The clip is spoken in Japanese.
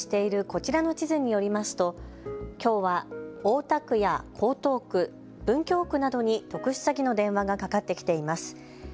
警視庁が公開しているこちらの地図によりますときょうは大田区や江東区、文京区などに特殊詐欺の電話がかかってきています。